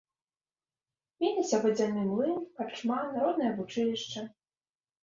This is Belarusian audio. Меліся вадзяны млын, карчма, народнае вучылішча.